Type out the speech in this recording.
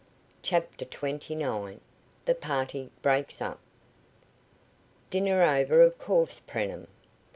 CHAPTER TWENTY NINE. THE PARTY BREAKS UP. "Dinner over, of course, Preenham?"